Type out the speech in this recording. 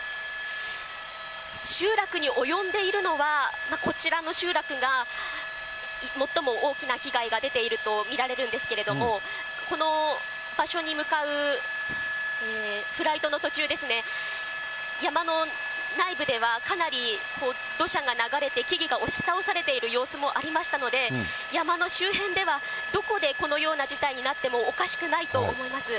集落に及んでいるのは、こちらの集落が最も大きな被害が出ていると見られるんですけれども、この場所に向かうフライトの途中ですね、山の内部では、かなり土砂が流れて、木々が押し倒されている様子もありましたので、山の周辺では、どこでこのような事態になってもおかしくないと思います。